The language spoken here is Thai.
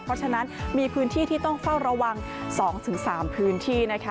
เพราะฉะนั้นมีพื้นที่ที่ต้องเฝ้าระวัง๒๓พื้นที่นะคะ